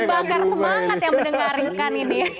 jadi membakar semangat yang mendengarkan ini